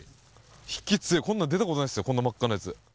引き強い、こんなの出たことないですよ、こんな真っ赤なやつ。